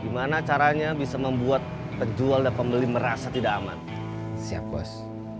gimana caranya bisa membuat penjual dan pembeli merasa tidak aman siap bos